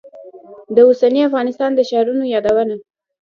د اوسني افغانستان د ښارونو یادونه.